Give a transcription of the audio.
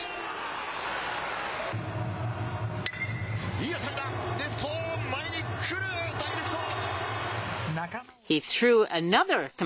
いい当たりだ、レフト前に来る、ダイレクト。